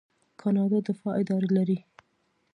کاناډا د دفاع اداره لري.